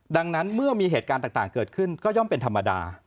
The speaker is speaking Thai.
ดังนั้นเมื่อมีเหตุการณ์ต่างเกิดขึ้นก็ย่อมเป็นธรรมดา